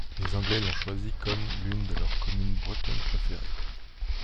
Les Anglais l'ont choisi comme l'une de leurs communes bretonnes préférées.